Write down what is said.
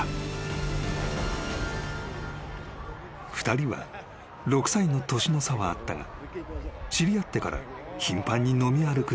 ［２人は６歳の年の差はあったが知り合ってから頻繁に飲み歩く仲に］